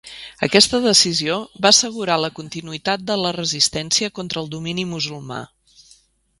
Aquesta decisió va assegurar la continuïtat de la resistència contra el domini musulmà.